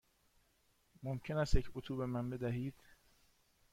ممکن است یک اتو به من بدهید؟